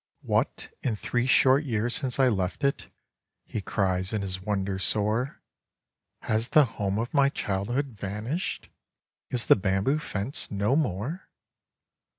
"What, in three short years since I left it," He cries in his wonder sore, "Has the home of my childhood vanished? Is the bamboo fence no more?